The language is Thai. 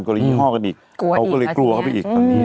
กรณียี่ห้อกันอีกเขาก็เลยกลัวเข้าไปอีก